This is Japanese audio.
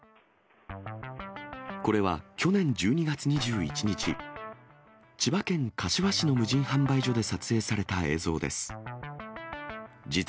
これは去年１２月２１日、千葉県柏市の無人販売所で撮影された映像です。